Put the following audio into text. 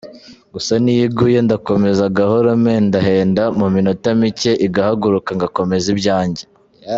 gusa niyo iguye ndakomeza gahoro mpendahenda mu minota mike igahaguruka ngakomeza ibyanjye.